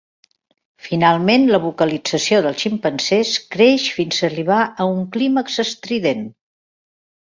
Finalment, la vocalització dels ximpanzés creix fins arribar a un clímax estrident.